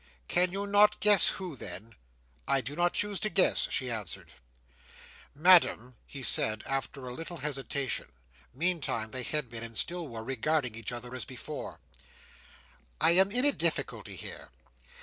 "Can you not guess who then?" "I do not choose to guess," she answered. "Madam," he said after a little hesitation; meantime they had been, and still were, regarding each other as before; "I am in a difficulty here.